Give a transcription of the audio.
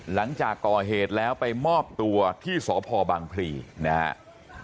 หลังจากก่อเหตุแล้วไปมอบตัวที่สพบังพลีนะครับ